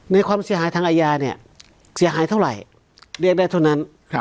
ในความเสียหายทางอาญาเนี่ยเสียหายเท่าไหร่เรียกได้เท่านั้น